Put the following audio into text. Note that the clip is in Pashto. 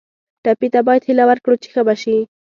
ټپي ته باید هیله ورکړو چې ښه به شي.